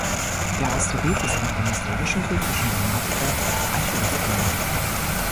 Der Asteroid ist nach dem historischen griechischen Dramatiker Aischylos benannt.